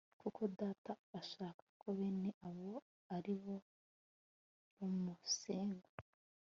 kuko data ashaka ko bene abo ari bo bamusenga